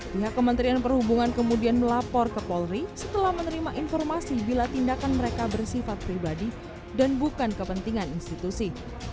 pihak kementerian perhubungan kemudian melapor ke polri setelah menerima informasi bila tindakan mereka bersifat pribadi dan bukan kepentingan institusi